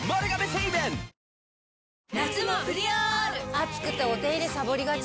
暑くてお手入れさぼりがち。